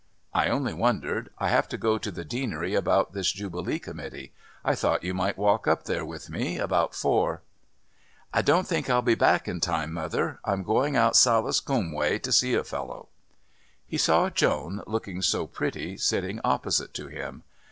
"I only wondered. I have to go to the Deanery about this Jubilee committee. I thought you might walk up there with me. About four." "I don't think I'll be back in time, mother; I'm going out Salis Coombe way to see a fellow." He saw Joan, looking so pretty, sitting opposite to him.